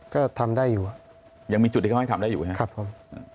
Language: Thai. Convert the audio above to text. ก็ทำได้อยู่ยังมีจุดที่ก็ไม่ทำได้อยู่ครับครับผมอืม